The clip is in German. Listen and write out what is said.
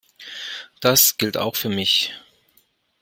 Das gilt auch für mich.